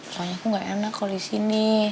soalnya aku nggak enak kalau di sini